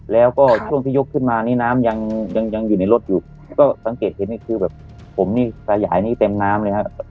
แล้วก็ช่วงที่ยกขึ้นมานี่น้ำยังยังอยู่ในรถอยู่ก็สังเกตเห็นนี่คือแบบผมนี่ขยายนี้เต็มน้ำเลยครับ